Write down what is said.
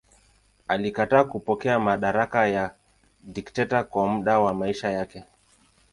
Alikataa kupokea madaraka ya dikteta kwa muda wa maisha yake.